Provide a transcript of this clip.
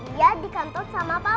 dia di kantut sama papa